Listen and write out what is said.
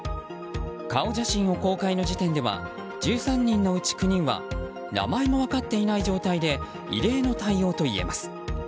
顔写真を公開の時点では１３人のうち９人は名前も分かっていない状態で異例の対応といえます。